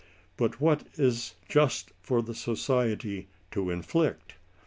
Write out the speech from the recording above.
— but what is just for society to inflict?